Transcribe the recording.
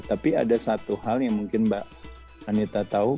tapi ada satu hal yang mungkin mbak anita tahu